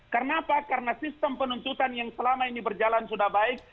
karena apa karena sistem penuntutan yang selama ini berjalan sudah baik